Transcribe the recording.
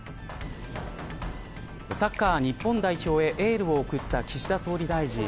サッカー日本代表へエールを送った岸田総理大臣。